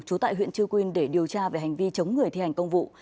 trú tại huyện chư quynh để điều tra về hành vi chống người thi hành công vụ